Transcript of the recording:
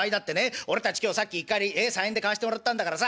俺たち今日さっき一荷入り３円で買わしてもらったんだからさ